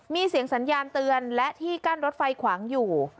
มีเสียงสัญญาณเตือนและที่กั้นรถไฟขวางอยู่